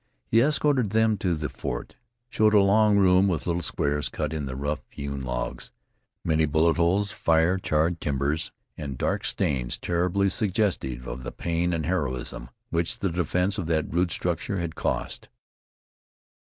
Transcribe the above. He escorted them to the fort, showed a long room with little squares cut in the rough hewn logs, many bullet holes, fire charred timbers, and dark stains, terribly suggestive of the pain and heroism which the defense of that rude structure had cost.